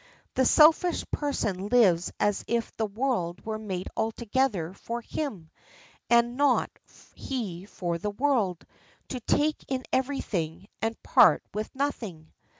The selfish person lives as if the world were made altogether for him, and not he for the world; to take in every thing, and part with nothing.